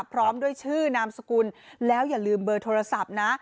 พร้อมด้วยชื่อนามสกุลแล้วอย่าลืมเบอร์โทรศัพท์นะ